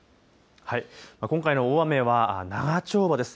今回の大雨は長丁場です。